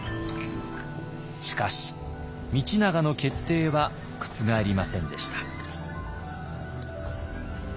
しかし道長の決定は覆りませんでした。